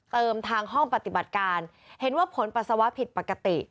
ทางห้องปฏิบัติการเห็นว่าผลปัสสาวะผิดปกติ